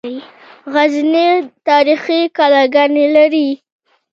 غزني تاریخي کلاګانې لري